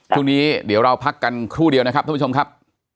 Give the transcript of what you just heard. ช่วงนี้เดี๋ยวเราพักกันครู่เดียวนะครับท่านผู้ชมครับ